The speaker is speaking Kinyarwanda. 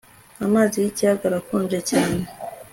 Amazi yikiyaga arakonje cyane